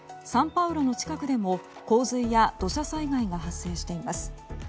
サンパウロの近くでも洪水や土砂災害が発生しています。